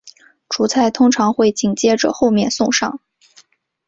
主菜通常会紧接着后面送上。